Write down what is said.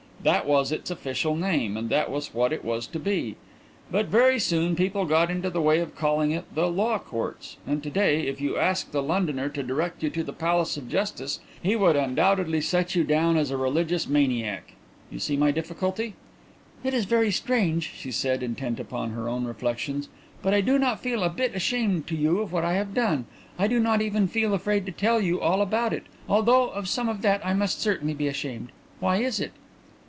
That was its official name and that was what it was to be; but very soon people got into the way of calling it the Law Courts, and to day, if you asked a Londoner to direct you to the Palace of Justice he would undoubtedly set you down as a religious maniac. You see my difficulty?" "It is very strange," she said, intent upon her own reflections, "but I do not feel a bit ashamed to you of what I have done. I do not even feel afraid to tell you all about it, although of some of that I must certainly be ashamed. Why is it?"